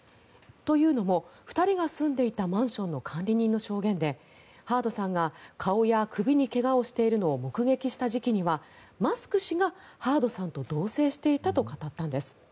というのも２人が住んでいたマンションの管理人の証言でハードさんが顔や首に怪我をしているのを目撃した時期にはマスク氏がハードさんと同棲していたと語ったんです。